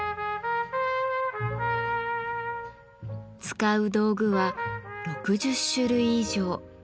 使う道具は６０種類以上。